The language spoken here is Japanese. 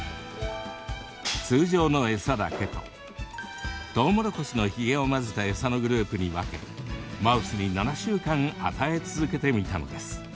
通常の餌だけととうもろこしのヒゲを混ぜたえさのグループに分け、マウスに７週間与え続けてみたのです。